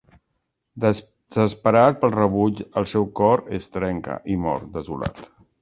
Desesperat pel rebuig, el seu cor es trenca i mor, desolat.